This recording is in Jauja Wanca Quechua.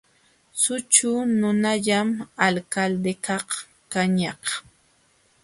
Sućhu nunallam Alcaldekaq kañaq.